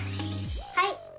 はい！